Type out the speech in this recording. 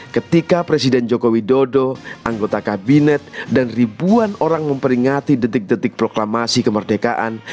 ketika presiden joko widodo anggota kabinet dan ribuan orang memperingati detik detik proklamasi kemerdekaan